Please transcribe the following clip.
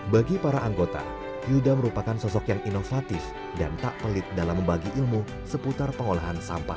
bagi para anggota yuda merupakan sosok yang inovatif dan tak pelit dalam membagi ilmu seputar pengolahan sampah